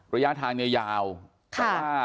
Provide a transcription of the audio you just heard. ระยะทางนี้ยาวค่ะ